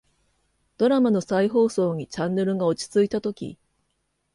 ドラマの再放送にチャンネルが落ち着いたとき、